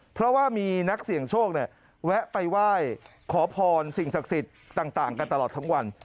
เพราะว่ามีนักเสี่ยงโชคแวะไปไหว้ขอพรสิ่งศักดิ์สิทธิ์ต่างกันตลอดทั้งวัน